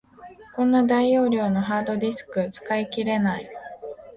こんな大容量のハードディスク、使い切れない